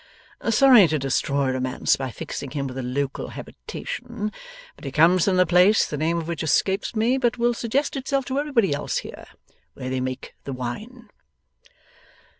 Sorry to destroy romance by fixing him with a local habitation, but he comes from the place, the name of which escapes me, but will suggest itself to everybody else here, where they make the wine.